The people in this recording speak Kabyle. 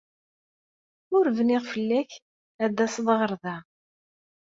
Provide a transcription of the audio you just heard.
Ur bniɣ fell-ak ad d-taseḍ ɣer da.